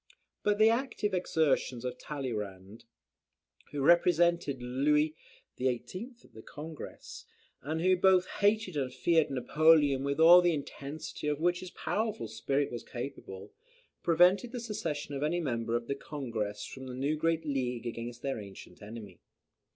But the active exertions of Tralleyrand, who represented Louis XVIII. at the Congress, and who both hated and feared Napoleon with all the intensity of which his powerful spirit was capable, prevented the secession of any member of the Congress from the new great league against their ancient enemy.